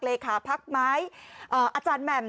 เลขาพักไหมอาจารย์แหม่ม